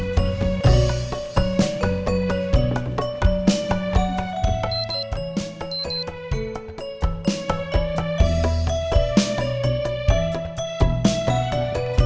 kamu kerja pemain hape